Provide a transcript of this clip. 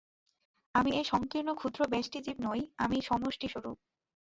আমি এই সঙ্কীর্ণ ক্ষুদ্র ব্যষ্টি জীব নই, আমি সমষ্টিস্বরূপ।